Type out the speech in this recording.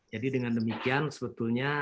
jadi dengan demikian sebetulnya